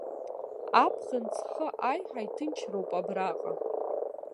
Аԥхын ҵхы аиҳа иҭынчроуп абраҟа.